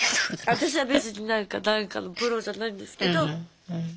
私は別になんかなんかのプロじゃないんですけど。